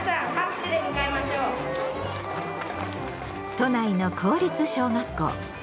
都内の公立小学校。